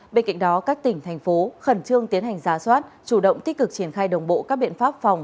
bên cạnh đó các tỉnh thành phố khẩn trương tiến hành giá soát chủ động tích cực triển khai đồng bộ các biện pháp phòng